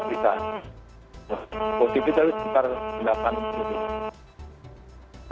positifnya sekitar delapan